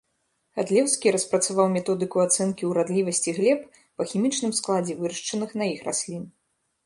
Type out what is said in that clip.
Гадлеўскі распрацаваў методыку ацэнкі урадлівасці глеб па хімічным складзе вырашчаных на іх раслін.